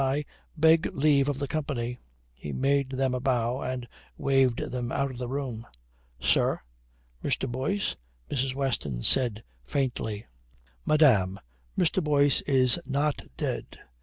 "I beg leave of the company." He made them a bow and waved them out of the room. "Sir, Mr. Boyce?" Mrs. Weston said faintly. "Madame, Mr. Boyce is not dead.